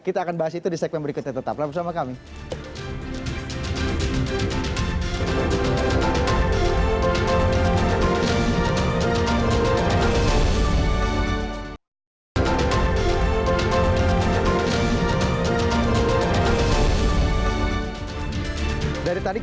kita akan bahas itu di segmen berikutnya tetaplah bersama kami